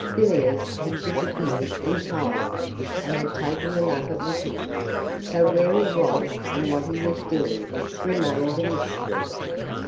Villiers had disappeared entirely, and had taken the nugget with him, so where he was and what he was doing remained a mystery.